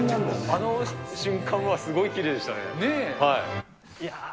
あの瞬間はすごいきれいでしいやー